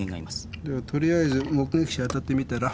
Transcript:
じゃとりあえず目撃者当たってみたら？